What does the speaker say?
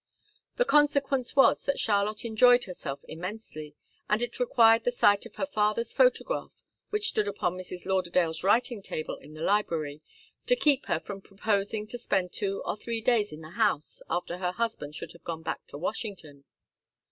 The consequence was that Charlotte enjoyed herself immensely, and it required the sight of her father's photograph, which stood upon Mrs. Lauderdale's writing table in the library, to keep her from proposing to spend two or three days in the house after her husband should have gone back to Washington.